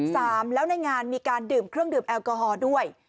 สามแล้วในงานมีการดื่มเครื่องดื่มแอลกอฮอล์ด้วย